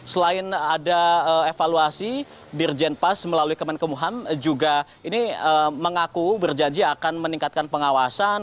selain ada evaluasi dirjen pas melalui kemenkumham juga ini mengaku berjanji akan meningkatkan pengawasan